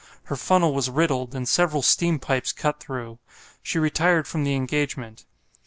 Her funnel was riddled, and several steam pipes cut through. She retired from the engagement.